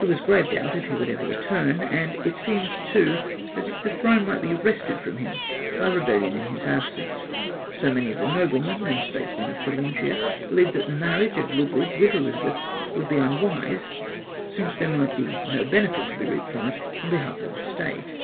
There was grave doubt if he would ever return, and it seemed too as if his throne might be wrested from him by rebellion in his absence; so many of the noblemen and statesmen of Thuringia believed that the marriage of Ludwig with Elizabeth would be unwise, since there might be no benefit to be reaped from it on behalf of the State.